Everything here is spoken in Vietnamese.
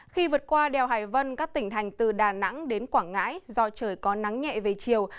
khi vượt qua đèo hải vân các tỉnh thành từ đà nẵng đến quảng ngãi do trời có nắng nhẹ về chiều